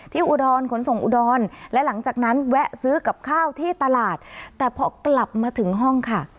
อุดรขนส่งอุดรและหลังจากนั้นแวะซื้อกับข้าวที่ตลาดแต่พอกลับมาถึงห้องค่ะ